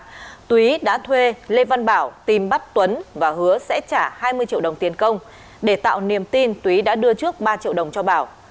trần túy đã thuê lê văn bảo tìm bắt tuấn và hứa sẽ trả hai mươi triệu đồng tiền công để tạo niềm tin túy đã đưa trước ba triệu đồng cho bảo